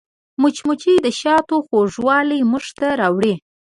مچمچۍ د شاتو خوږوالی موږ ته راوړي